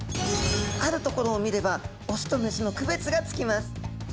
あるところを見ればオスとメスの区別がつきます。